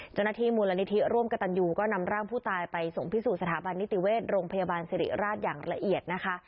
เจ้าหน้าที่มูลนิธิร่วมกับตันยูก็นำร่างผู้ตายไปส่งพิสูจนสถาบันนิติเวชโรงพยาบาลสิริราชอย่างละเอียดนะคะ